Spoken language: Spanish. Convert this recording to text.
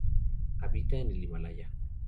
Habita en el Himalaya.